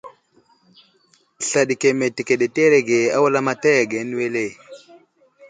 Sla ɗi keme təkeɗerge a wulamataya ane wele.